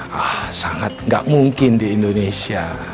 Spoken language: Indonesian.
wah sangat gak mungkin di indonesia